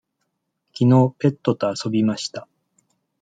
きのうペットと遊びました。